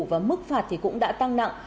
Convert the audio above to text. và mức phạt thì cũng đã tăng nặng